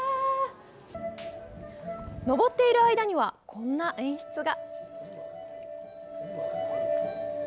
上っている間にはこんな演出が。